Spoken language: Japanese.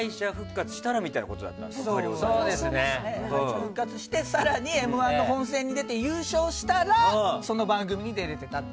復活して更に「Ｍ‐１」の本戦に出て優勝したらその番組に出れていたと。